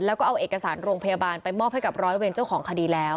แล้วก็เอาเอกสารโรงพยาบาลไปมอบให้กับร้อยเวรเจ้าของคดีแล้ว